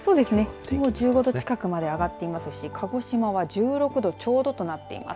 気温、１５度近くまで上がってますし鹿児島１６度ちょうどとなっています。